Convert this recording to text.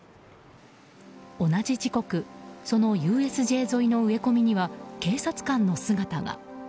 同じ時刻そのＵＳＪ沿いの植え込みには警察官の姿が。